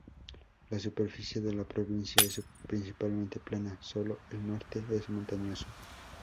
La superficie de la provincia es principalmente plana, solo el norte es montañoso.